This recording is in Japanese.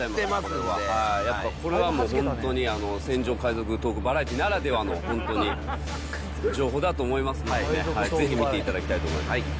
やっぱこれは本当に、船上海賊トークバラエティーならではの本当に、情報だと思いますのでね、ぜひ見ていただきたいと思います。